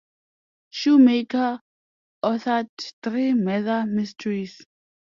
Shoemaker authored three murder mysteries.